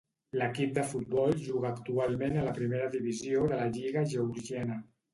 L'equip de futbol juga actualment a la primera divisió de la lliga georgiana.